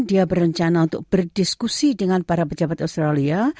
dia berencana untuk berdiskusi dengan para pejabat australia